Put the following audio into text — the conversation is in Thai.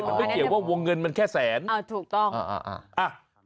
มันไม่เกี่ยวว่าวงเงินมันแค่แสนอ่าถูกต้อง